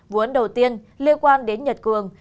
vụ án đầu tiên liên quan đến nhật cường